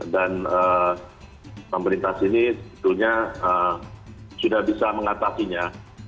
dan pemerintah sini sebetulnya sudah bisa mengatasinya